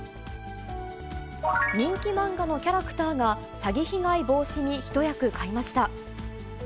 人気漫画のキャラクターが、詐欺被害防止に一役買いました。